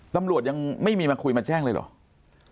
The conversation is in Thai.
ตำรวจยังไม่มีมาคุยมาแจ้งเลยเหรอ